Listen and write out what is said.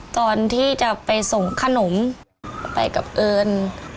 ตอนที่จะไปส่งขนมไปกับเอิญ